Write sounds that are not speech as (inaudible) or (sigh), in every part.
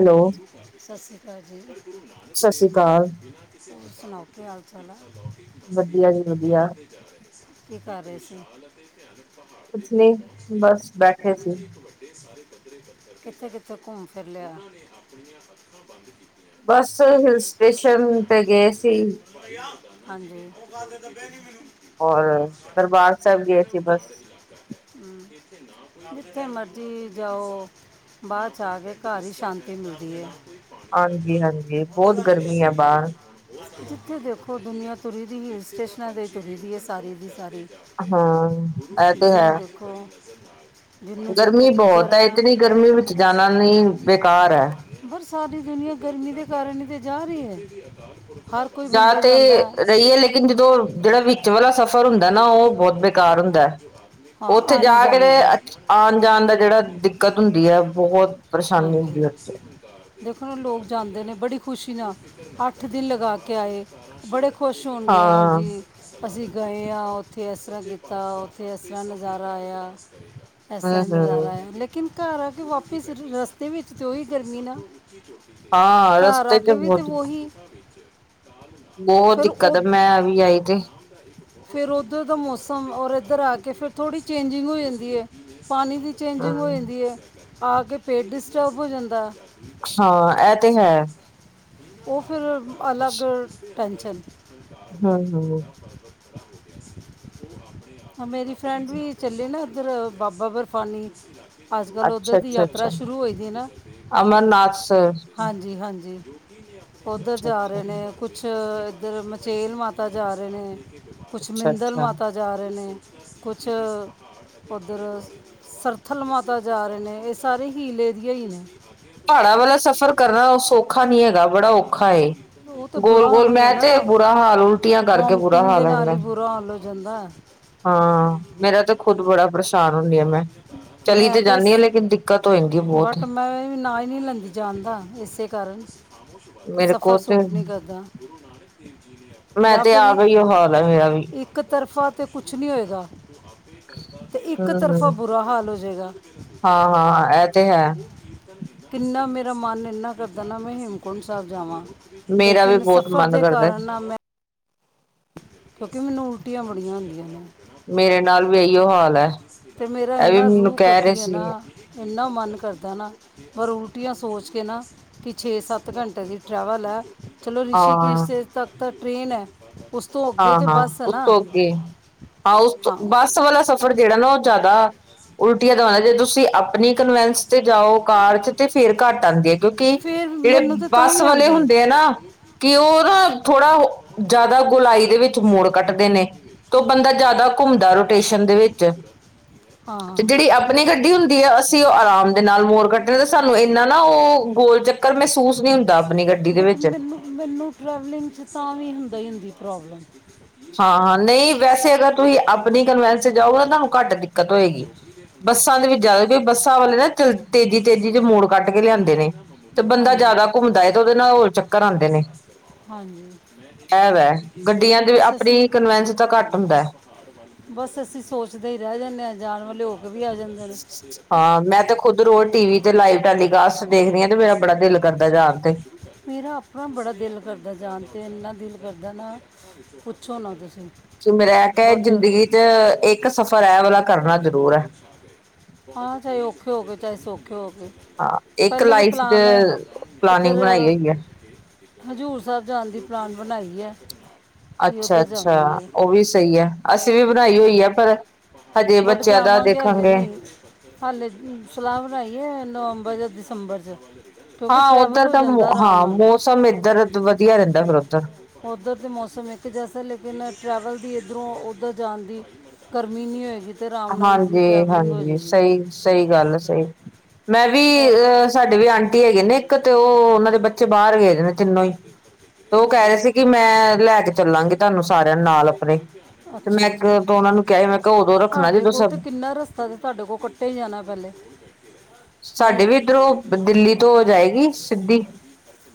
Hello ਸ਼੍ਰੀ ਅਕਾਲ ਜੀ। ਸਤਿ ਸ੍ਰੀ ਅਕਾਲ ਤੁਸੀ ਸੁਣਾਓ ਕੇ ਹਾਲ-ਚਾਲ ਐ? ਵਧੀਆ ਜੀ ਵਧੀਆ, ਕੀ ਕਰ ਰਹੇ ਸੀ? ਕੁਛ ਨੀ ਬਸ ਬੈਠੇ ਸੀ ਕਿਥੇ-ਕਿਥੇ ਘੁੰਮ ਫਿਰ ਲਿਆ। ਬਸ ਹਿਲ ਸਟੇਸ਼ਨ ਤੇ ਗਏ ਸੀ। ਹਾਂਜੀ, ਔਰ ਦਰਬਾਰ ਸੈਬ ਗਏ ਸੀ ਬਸ, ਜਿੱਥੇ ਮਰਜ਼ੀ ਜਾਓ ਬਾਅਦ 'ਚ ਆ ਕੇ ਘਰ ਈ ਸ਼ਾਂਤੀ ਮਿਲਦੀ ਹੈ। ਹਾਂਜੀ-ਹਾਂਜੀ, ਬੋਤ ਗਰਮੀ ਆ ਬਾਹਰ ਜਿੱਥੇ ਦੇਖੋ ਦੁਨੀਆਂ ਤੁੁਰੀ ਦੀ ਹਿੱਲ ਸਟੇਸ਼ਨਾਂ 'ਤੇ ਤੁਰੀ ਦੀ ਹੈ, ਸਾਰੀ ਦੀ ਸਾਰੀ। ਹਾਂ ਇਹ ਤੇ ਹੈ। (unintelligible) ਦੇਖੋ ਗਰਮੀ ਕਿੱਧਰ ਬਹੁਤ ਹੈ, ਇਤਨੀ ਗਰਮੀ ਵਿੱਚ ਜਾਣਾ ਨੀ ਬੇਕਾਰ ਹੈ। ਪਰ ਸਾਰੀ ਦੁਨੀਆਂ ਗਰਮੀ ਦੇ ਕਾਰਨ ਤੇ ਜਾ ਰਹੀ ਐ। ਹਰ ਕੋਈ ਜਾ ਬੰਦਾ ਤੇ ਜਾਂਦਾ। ਰਹੀਏ ਲੇਕਿਨ ਜਦੋਂ ਜਿਹੜਾ ਵਿੱਚ ਵਾਲਾ ਸਫ਼ਰ ਹੁੰਦਾ ਨਾ ਉਹ ਬਹੁਤ ਬੇਕਾਰ ਹੁੰਦਾ ਹੈ ਹਾਂ ਆਣੇ-ਜਾਣੇ ਦਾ। ਆਣ ਜਾਣ ਦਾ ਜਿਹੜਾ ਦਿੱਕਤ ਹੁੰਦੀ ਹੈ, ਬਹੁਤ ਪਰੇਸ਼ਾਨੀ ਹਾਂਜੀ ਹੁੰਦੀ ਹੈ ਉਸ ਚ। ਦੇਖੋ ਨਾ ਲੋਕ ਜਾਂਦੇ ਨੇ ਬੜੀ ਖੁਸ਼ੀ ਨਾ, ਅੱਠ ਦਿਨ ਲਗਾ ਕੇ ਆਏ ਬੜੇ ਖੁਸ਼ ਹੋਣਗੇ, ਹਾਂ ਹਾਂਜੀ। ਅਸੀਂ ਗਏ ਹਾਂ ਉੱਥੇ, ਇਸ ਤਰ੍ਹਾਂ ਕੀਤਾ ਉੱਥੇ, ਇਸ ਤਰ੍ਹਾਂ ਨਜ਼ਾਰਾ ਆਇਆ। ਹੂੰ ਐਸਾ ਨਜ਼ਾਰਾ ਹੂੰ ਆ, ਲੇਕਿਨ ਘਰ ਆ ਕੇ ਵਾਪਿਸ ਰਸਤੇ ਵਿੱਚ ਤਾਂ ਉਹੀ ਗਰਮੀ ਨਾ। ਹਾਂ ਘਰ ਰਸਤੇ ਆ ਚ ਕੇ ਵੀ ਤੇ ਬਹੁਤ ਵੋਹੀ ਬਹੁਤ ਦਿੱਕਤ ਆ, ਮੈਂ ਵੀ ਆਈ ਦੇ ਫਿਰ ਉੱਧਰ ਦਾ ਮੌਸਮ, ਔਰ ਇੱਧਰ ਆ ਕੇ ਫਿਰ ਥੋੜ੍ਹੀ ਚੇਂਜਿੰਗ ਹੋ ਜਾਂਦੀ ਏ। ਪਾਣੀ ਦੀ ਹੂੰ ਚੇਂਜਿੰਗ ਹੋ ਜਾਂਦੀ ਏ। ਆ ਕੇ ਪੇਟ ਡਿਸਟਰਬ ਹੋ ਜਾਂਦਾ। ਹਾਂ ਐਹ ਤੇ ਹੈ। ਉਹ ਫਿਰ, ਅਲੱਗ ਟੈਂਸ਼ਨ। ਹੂੰ ਹੂੰ ਮੇਰੀ ਫਰੈਂਡ ਵੀ ਚੱਲੇ ਨਾ ਉੱਧਰ ਬਾਬਾ ਬਰਫਾਨੀ। ਅੱਜ -ਕੱਲ੍ਹ ਅੱਛਾ ਉੱਧਰ ਦੀ ਅੱਛਾ ਅੱਛਾ ਯਾਤਰਾ ਸ਼ੁਰੂ ਹੋ ਦੀ ਨਾ। ਅਮਰਨਾਥ ਸਰ ਹਾਂਜੀ, ਹਾਂਜੀ। ਉਧਰ ਅੱਛਾ ਜਾ ਅੱਛਾ ਰਹੇ ਨੇ, ਕੁਛ ਇੱਧਰ ਮਚੇਲ ਮਾਤਾ ਜਾ ਰਹੇ ਨੇ। ਕੁਛ ਅੱਛਾ ਮਿੰਦਲ ਅੱਛਾ ਮਾਤਾ ਜਾ ਰਹੇ ਨੇ, ਕੁਛ ਉੱਧਰ ਸਰਥਲ ਮਾਤਾ ਜਾ ਰਹੇ ਨੇ, ਇਹ ਸਾਰੇ ਹੀਲੇ ਦੀਆ ਹੀ ਨੇ। ਪਹਾੜਾਂ ਵਾਲਾ ਸਫ਼ਰ ਕਰਨਾ ਉਹ ਸੌਖਾ ਨੀ ਹੈਗਾ, ਬੜਾ ਔਖਾ ਏ। ਉਹ ਤਾਂ ਗੋਲ, ਬੁਰਾ ਹਾਲ ਗੋਲ ਹੋ ਮੈਂ ਤੇ ਜਾਂਦਾ ਬੁਰਾ ਹਾਲ ਉਲਟੀਆਂ ਕਰਕੇ ਬੁਰਾ ਵੋਮਟਿੰਗ ਦੇ ਹਾਲ ਨਾਲ ਹੀ ਹੈਂਦਾ। ਬੁਰਾ ਹਾਲ ਹੋ ਜਾਂਦਾ ਐ। ਹਾਂ, ਮੇਰਾ ਤੇ ਖੁਦ ਬੜਾ ਪਰੇਸ਼ਾਨ ਹੁੰਦੀ ਆ ਮੈਂ। ਚਲੀ ਤੇ ਜਾਂਨੀ ਆ ਲੇਕਿਨ ਦਿੱਕਤ ਹੋ ਜਾਂਦੀ ਏ ਬਹੁਤ। ਬਟ ਮੈਂ ਵੀ ਨਾ ਨਹੀਂ ਲੈਂਦੀ। ਜਾਂਦਾ ਇਸੇ ਕਾਰਨ, ਕਿ ਮੇਰੇ ਕੋਲ ਸਫ਼ਰ ਤੇ ਸੂਟ ਨਹੀਂ ਕਰਦਾ। ਮੈਂ ਜਾਂ ਤੇ ਫਿਰ ਆਪ ਇਹੀਓ ਹਾਲ ਹੈ ਮੇਰਾ ਵੀ ਇ ਕ ਤਰਫਾ ਤਾਂ ਕੁਛ ਨਹੀਂ ਹੋਏਗਾ, ਇੱਕ ਤਰਫਾ ਇਕ ਤਰਫਾ ਹੂੰ, ਬੁਰਾ ਹਾਲ ਹੋ ਜਾਏਗਾ। ਹਾਂ-ਹਾਂ ਇਹ ਤੇ ਹੈ। ਕਿੰਨਾ ਮੇਰਾ ਮਨ ਇੰਨਾ ਕਰਦਾ ਨਾ, ਮੈਂ ਹੇਮਕੁੰਟ ਸਾਹਿਬ ਜਾਵਾਂ। ਮੇਰਾ ਵੀ ਲੇਕਿਨ ਬਹੁਤ ਸਫ਼ਰ ਮਨ ਦੇ ਕਰਦਾ ਕਾਰਨ ਮੈਂ ਕਿਉਂਕਿ ਮੈਨੂੰ ਉਲਟੀਆਂ ਬੜੀਆਂ ਆਂਦੀਆਂ ਨੇ। ਮੇਰੇ ਨਾਲ ਵੀ ਇਹੀਓ ਹਾਲ ਹੈ। ਤੇ ਮੇਰਾ ਇਹ ਵੀ ਇਨਾ ਮੈਨੂੰ ਰੂਹ ਕਹਿ ਰਹੇ ਕਰਦੀ ਐ ਸੀ ਨਾ। ਇੰਨਾ ਮਨ ਕਰਦਾ ਹੈ ਨਾ, ਪਰ ਉਲਟੀਆਂ ਸੋਚ ਕੇ ਨਾ, ਕੀ ਛੇ- ਸੱਤ ਘੰਟੇ ਦੀ ਟਰੈਵਲ ਐ, ਚਲੋ ਹਾਂ, ਰਿਸ਼ੀਕੇਸ਼ ਦੇ ਤਖ਼ਤ ਟ੍ਰੇਨ ਏ, ਉਸ ਤੋਂ ਅੱਗੇ ਹਾਂ, ਤੇ ਹਾਂ ਬੱਸ ਹੈ ਉਸ ਨਾ ਤੋਂ ਅੱਗੇ, ਹਾਂ ਉਸ ਤੋਂ ਬ ਸ ਵਾਲਾ ਸਫ਼ਰ ਜਿਹੜਾ ਨਾ ਉਹ ਜ਼ਿਆਦਾ, ਉਲਟੀਆਂ ਦਾ ਐ ਜੇ ਤੁਸੀਂ ਅਪ ਆਪਣੀ ਕਨਵੈਂਸ ਤੇ ਜਾਓ ਕਾਰ ਚ ਤੇ ਫੇਰ ਘੱਟ ਆਂਦੀ, ਕਿਉਂਕਿ ਫਿਰ ਮੈਨੂੰ ਜਿਹੜੇ ਤੇ ਤਾਂ ਬੱਸ ਵੀ ਵਾਲੇ ਆਂਦੀ ਹੈ ਹੁੰਦੇ ਆ ਨਾ, ਕਿ ਉਹ ਨਾ ਥੋੜਾ ਓਹ, ਜਿਆਦਾ ਗੁਲਾਈ ਦੇ ਵਿੱਚ ਜਿਸ ਨੇੇ ਮੋੜ ਮੇਰੇ ਕੱਟਦੇ ਨੇ ਇਲਾਕੇ ਤੇ ਉਹ ਵਿੱਚ ਬੰਦਾ ਮੇਰੀ ਜ਼ਿਆਦਾ ਇਜਾਜ਼ਤ ਘੁੰਮਦਾ ਤੋਂ ਬਿਨਾਂ ਕੁਛ ਰੋਟੇਸ਼ਨ ਦੇ ਗਾਉਣ ਦੀ ਵਿੱਚ ਜ਼ਰਤ ਕੀਤੀ ਹੈ। ਹਾਂ। ਵੀ ਅਸੀਂ ਉਹ ਆਰਾਮ। ਦੇ ਨਾਲ ਮੋਰ ਕੱਟਣੇ ਤੇ ਸਾਨੂੰ ਇੰਨਾ ਨਾ ਉਹ ਗੋਲ ਚੱਕਰ ਮਹਿਸੂਸ ਨਹੀਂ ਹੁੰਦਾ ਆਪਣੀ ਗੱਡੀ ਦੇ ਬਟ ਵਿੱਚ। ਮੈਨੂੰ ਮੈਨੂੰ ਟਰੈਵਲਿੰਗ 'ਚ ਤਾਂ ਵੀ ਹੁੰਦਾ ਈ ਹੁੰਦੀ ਪ੍ਰੋਬਲਮ। ਹਾਂ-ਹਾਂ, ਨਈ ਵੈਸੇ ਅਗਰ ਤੁਸੀਂ ਆਪਣੀ ਕਨਵੈਂਸ ਜਾਓ ਨਾ ਤੁਹਾਨੂੰ ਘੱਟ ਦਿੱਕਤ ਹੋਏਗੀ। ਬੱਸਾਂ ਦੇ ਵਿੱਚ ਜ਼ਿਆਦਾ। ਬੱਸਾਂ ਵਾਲੇ ਨਾ ਚਲ ਤੇਜ਼ੀ-ਤੇਜ਼ੀ ਚ ਮੋੜ ਕੱਟ ਕੇ ਲਿਆਂਦੇ ਨੇ, ਤੇ ਬੰਦਾ ਹਾਂਜੀ ਜ਼ਿਆਦਾ ਘੁੰਮਦਾਏ ਤੇ ਉਹਦੇ ਨਾਲ ਹੋਰ। ਚੱਕਰ ਆਉਂਦੇ ਨੇ ਹਾਂਜੀ, ਬਸ। ਅਸੀਂ ਪ੍ਰੀਕਨਵੈਂਸ ਤਾਂ ਘੱਟ ਹੁੰਦਾ ਐ। ਬਸ ਅਸੀਂ ਸੋਚਦੇ ਈ ਰਹਿ ਜਾਂਦੇ ਆਂ, ਜਾਨ ਵਾਲੇ ਹੋ ਕੇ ਵੀ ਆ ਜਾਂਦੇ ਨੇ। ਹਾਂ, ਮੈਂ ਤੇ ਖੁਦ ਰੋਜ਼ ਟੀ-ਵੀ ਤੇ ਲਾਈਵ ਟੈਲੀਕਾਸਟ ਦੇਖਦੀ ਆ ਤੇ ਮੇਰਾ ਬੜਾ ਦਿਲ ਕਰਦਾ ਜਾਣ ਤੇ। ਮੇਰਾ ਆਪਣਾ ਬੜਾ ਦਿਲ ਕਰਦਾ ਜਾਣ ਤੇ ਇੰਨਾ ਦਿਲ ਕਰਦਾ ਨਾ। ਪੁੱਛੋ ਨਾ ਤੁਸੀਂ। ਕਿ ਮੇਰਾ ਐ ਕਿ ਬਟ ਜ਼ਿੰਦਗੀ ਚ ਇੱਕ ਸਫ਼ਰ ਐਹ ਵਾਲਾ ਕਰਨਾ ਜ਼ਰੂਰ ਐ। (unintelligible) ਹਾਂ, ਚਾਹੇ ਔਖੇ ਹੋ ਗਏ, ਚਾਹੇ ਸੌਖੇ ਹੋ ਗਏ। ਹਾਂ ਇੱਕ ਪਹਿਲੇੇ ਦੇ ਲਾਈਫ 'ਚ ਪਲਾਨ ਇੱਧਰ। ਪਲਾਨਿੰਗ ਬਣਾਈ ਹੋਈ ਹੈ ਹਜ਼ੂਰ ਸਾਹਿਬ ਜਾਣ ਦੀ ਪਲਾਨ ਬਣਾਈ ਐ। ਅੱਛਾ-ਅੱਛਾ, ਉਹ ਵੀ ਸਹੀ ਐ, ਅਸੀਂ ਵੀ ਬਣਾਈ ਹੋਈ ਐ ਪਰ। ਹਜੇ, ਵੋਟ ਬੱਚਿਆਂ ਦਾ ਜਾਵਾਂਗੇ ਹਾਲੇ ਦੇਖਾਂਗੇ। ਨਹੀਂ ਹਾਲੇ, ਸਲਾਹ ਬਣਾਈ ਐ, ਨਵੰਬਰ ਜਾਂ ਦਸੰਬਰ ਚ। ਕਿਉਂਕਿ ਹਾਂ, ਟਰੈਵਲ ਉੱਧਰ ਹੋ ਤਾਂ ਜਾਂਦਾ ਆਰਾਮ ਹਾਂ, ਨਾਲ ਮੌਸਮ ਇੱਧਰ, ਵਧੀਆ ਰਹਿੰਦਾ ਫਿਰ ਉੱਧਰ। ਉੱਧਰ ਤਾਂ ਮੌਸਮ ਇੱਕ ਜੈਸਾ ਲੇਕਿਨ, ਟਰੈਵਲ ਦੀ ਇੱਧਰੋਂ-ਉੱਧਰ ਜਾਣ ਦੀ। ਗਰਮੀ ਨੀਂ ਹੋਏਗੀ। ਤੇ ਆਰਾਮ ਨਾਲ ਈਜ਼ੀ ਟਰੈਵਲਿੰਗ ਹੋ ਹਾਂਜੀ-ਹਾਂਜੀ, ਜਾਏਗੀ ਸਹੀ। ਸਈ ਗੱਲ ਆ ਸਈ, ਮੈਂ ਵੀ ਇਹ- ਅਹ ਸਾਡੇ ਵੀ ਆਂਟੀ ਹੈਗੇ ਨੇ। ਇੱਕ ਤੇ ਉਹ, ਉਹਨਾਂ ਦੇ ਬੱਚੇ ਬਾਹਰ ਗਏ ਨੇ ਤਿੰਨੋ ਈ, ਤੇ ਉਹ ਕਹਿ ਅੱਛਾ ਰਹੇ ਸੀ ਕਿ ਮੈਂ ਲੈ ਕੇ ਚੱਲਾਂਗੀ। ਤੁਹਾਨੂੰ ਸਾਰਿਆਂ ਨਾਲ ਆਪਣੇ, ਤੇ ਅੱਛਾ ਮੈਂ ਅੱਛਾ ਇੱਕ ਉਹਨਾਂ ਨੂੰ ਕਿਹਾ ਹੀ ਮੈਂ ਕਿਹਾ ਉਦੋਂ। ਰੱਖਣਾ ਤੁਹਾਡੇ ਜਦੋਂ ਕੋਲ ਸਭ ਤੇ ਕਿੰਨਾ ਰਸਤਾ ਤਾਂ ਤੁਹਾਡੇ ਕੋਲ ਕੱਟਿਆ ਹੀ ਜਾਣਾ ਪਹਿਲੇ, ਸਾਡੇ ਨਈ ਵੀ ਦਿੱਲੀ ਤੋਂ ਓ ਜਾਏਗੀ, ਸਿੱਧੀ।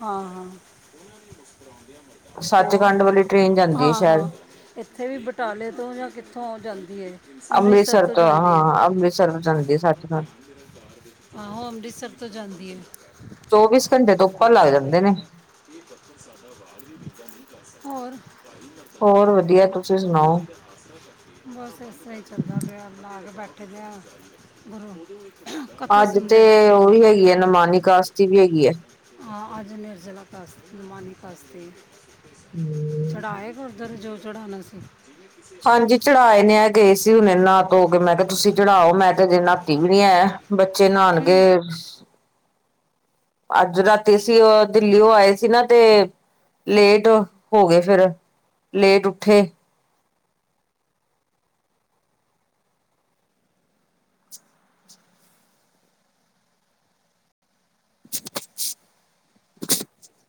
ਹਾਂ ਹਾਂ। ਹੋਰ, ਸੱਚਖੰਡ ਵਾਲੀ ਟ੍ਰੇਨ ਜਾਂਦੀ ਹੈ ਹਾਂ- ਸ਼ਾਇਦ ਹਾਂ। ਇੱਥੇ ਵੀ ਬਟਾਲੇ ਤੋਂ ਜਾਂ ਕਿੱਥੋਂ ਆ ਜਾਂਦੀ ਏ। ਅੰਮ੍ਰਿਤਸਰ ਤੋਂ, ਹਾਂ ਅੰਮ੍ਰਿਤਸਰ ਤੋਂ ਜਾਂਦੀ ਏ ਸੱਚਖੰਡ। ਆਹੋ ਅੰਮ੍ਰਿਤਸਰ ਤੋਂ ਜਾਂਦੀ ਏ। ਚੌਵੀਸ ਘੰਟੇ ਤੋਂ ਉੱਪਰ ਲੱਗ ਜਾਂਦੇ ਨੇ। ਹੋਰ। ਹੋਰ ਵਧੀਆ ਤੁਸੀਂ ਸੁਣਾਓ। (unintelligible) ਬਸ ਇਸ ਤਰਾਂ ਈ ਚੱਲਦਾ ਪਿਆ ਨਹਾ ਕੇ ਬੈਠੇ ਆ ਘਰੇ। (inaudible) ਅੱਜ ਤੇ ਉਹ ਵੀ ਹੈਗੀ ਏ, ਨਮਾਨੀ ਕਾਸ਼ਤੀ ਵੀ ਹੈਗੀ ਐ। ਹਾਂ, ਅੱਜ ਨਿਰਜਲਾ ਕਾਸ਼ਤ, ਨਮਾਨੀ ਕਾਸਤੀ ਏ। ਹਮ ਚੜਾ ਆਏ ਗੁਰਦੁਆਰੇ ਜੋ ਚੜਾਣਾ ਸੀ। ਹਾਂਜੀ, ਚੜਾ ਆਏ ਨੇ ਐ ਗਏ ਸੀ ਹੁਣੇ ਨਹਾ ਧੋ ਕੇ, ਮੈਂ ਕਿਹਾ ਤੁਸੀਂ ਚੜਾਓ, ਮੈਂ ਤੇ ਅਜੇ ਨਹਾਤੀ ਵੀ ਨੀ ਐ। ਬੱਚੇ ਕੀ ਨਾਣਗੇ। ਅੱਜ ਰਾਤੀ ਅਸੀ, ਦਿੱਲੀ ਉਹ ਆਏ ਸੀ ਨਾ ਤੇ। ਲੇਟ ਹੋ ਗਏ ਫਿਰ, ਲੇਟ ਉੱਠੇ। (inaudible)